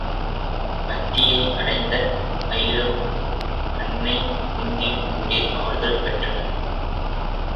அத்தியை அடைந்த ஐலரும் அன்னை குந்தியும் அங்கே ஆறுதல் பெற்றனர்.